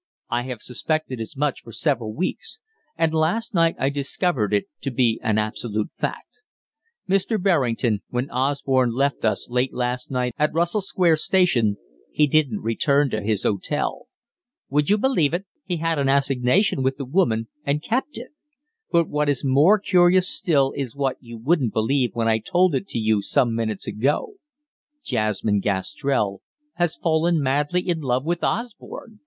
I have suspected as much for several weeks, and last night I discovered it to be an absolute fact. Mr. Berrington, when Osborne left us last night at Russell Square station he didn't return to his hotel. Would you believe it, he had an assignation with the woman, and kept it? But what is more curious still is what you wouldn't believe when I told it to you some minutes ago Jasmine Gastrell has fallen madly in love with Osborne!